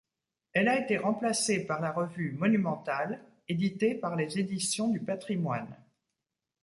Elle a été remplacée par la revue Monumental, éditée par les Éditions du Patrimoine.